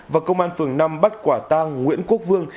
và công an phường năm bắt quả tang nguyễn quốc vương